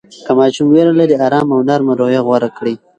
که ماشوم ویره لري، آرام او نرمه رویه غوره کړئ.